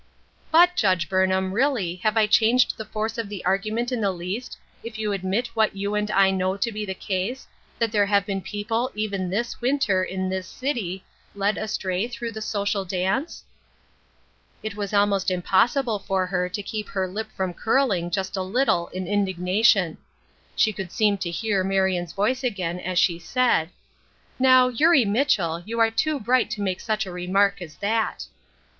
But, Judge Burnham, really, have I changed the force of the argument in the least, if you admit what you and I know to be the case, that there have been people even this winter, in this city, led astray through the social dance ?" It was almost impossible for her to keep her lip from curling just a little in indignation. She could seem to hear Marion's voice again as she said, —" Now, Eurie Mitchell, you are too bright to make such a remark as that."